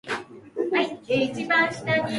The setlists combined Banshees and Creatures songs.